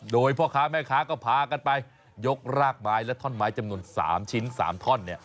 โดยพ่อค้าแม่ค้าก็พากันไปยกรากไม้และท่อนไม้จำนวน๓ชิ้น๓ท่อน